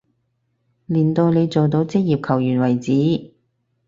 練到你做到職業球員為止